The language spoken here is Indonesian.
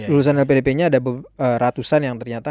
lulusan lpdp nya ada ratusan yang ternyata